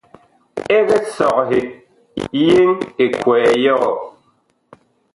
Eg sɔghe yeŋ ekwɛɛ yɔɔ ?